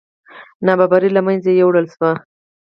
نابرابرۍ له منځه یوړل شي.